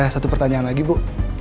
satu pertanyaan lagi bu